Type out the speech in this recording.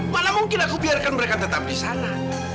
malah mungkin aku biarkan mereka tetap di sana